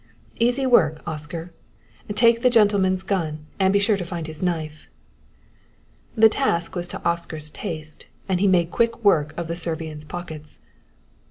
"Easy work, Oscar! Take the gentleman's gun and be sure to find his knife." The task was to Oscar's taste, and he made quick work of the Servian's pockets.